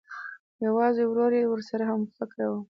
یوازې ورور یې ورسره همفکره و